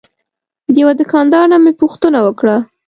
له یوه دوکاندار نه مې پوښتنه وکړه.